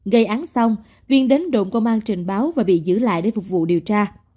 gây án xong viên đánh độn công an trình báo và bị giữ lại để phục vụ điều tra